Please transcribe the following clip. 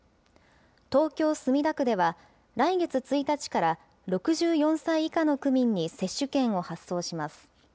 東京・墨田区では、来月１日から６４歳以下の区民に接種券を発送します。